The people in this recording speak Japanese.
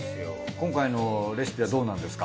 今回のレシピはどうなんですか？